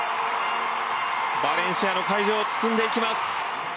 バレンシアの会場を包んでいきます。